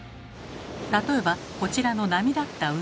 例えばこちらの波立った海。